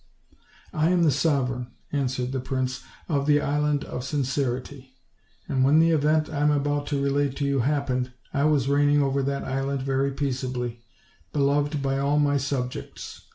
"I am the sovereign," answered the prince, "of the Island of Sincerity; and when the event I am about to relate to you happened, I was reigning over that island very peaceably, beloved by all my subjects.